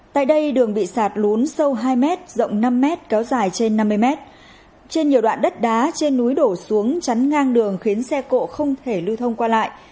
tại đây đường bị sạt lún sâu hai m rộng năm m kéo dài trên năm mươi mét trên nhiều đoạn đất đá trên núi đổ xuống chắn ngang đường khiến xe cộ không thể lưu thông qua lại